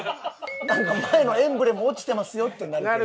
なんか前のエンブレム落ちてますよってなるけど。